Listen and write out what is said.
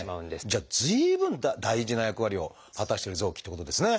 じゃあ随分大事な役割を果たしてる臓器っていうことですね。